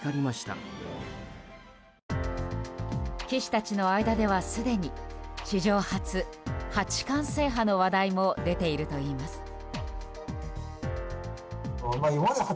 棋士たちの間では、すでに史上初八冠制覇の話題も出ているといいます。